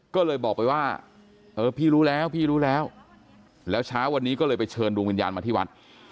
ก็เลยบอกไปว่าเออพี่รู้แล้วพี่รู้แล้วแล้วเช้าวันนี้ก็เลยไปเชิญดวงวิญญาณมาที่วัด